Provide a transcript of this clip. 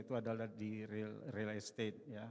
itu adalah di real estate ya